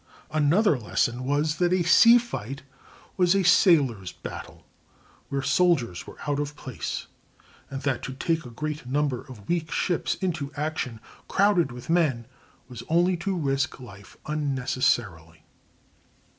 Another lesson was, that a sea fight was a sailor's battle, where soldiers were out of place, and that to take a great number of weak ships into action, crowded with men, was only to risk life unnecessarily.